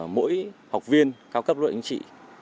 các học viên cao cấp luận chính trị